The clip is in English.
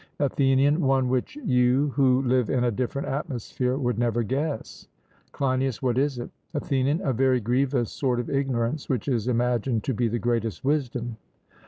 ATHENIAN: One which you who live in a different atmosphere would never guess. CLEINIAS: What is it? ATHENIAN: A very grievous sort of ignorance which is imagined to be the greatest wisdom.